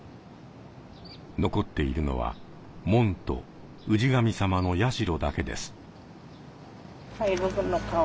残っているのは門と氏神様の社だけです。